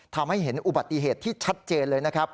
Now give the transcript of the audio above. ทำให้เห็นอุบัติเหตุที่ชัดเจนเลยนะครับ